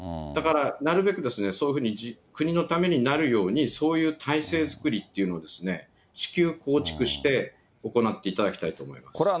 だから、なるべくそういうふうに国のためになるように、そういう体制作りっていうのを至急構築して行っていただきたいと思います。